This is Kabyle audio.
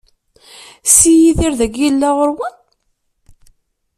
Si Yidir dagi i yella ɣur-wen?